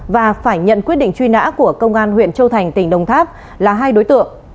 và phải nhận quyết định truy nã của công an huyện châu thành tỉnh đồng tháp là hai đối tượng